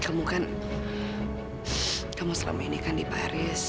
kamu kan kamu selama ini kan di paris